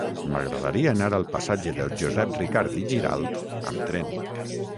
M'agradaria anar al passatge de Josep Ricart i Giralt amb tren.